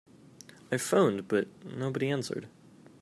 I phoned but nobody answered.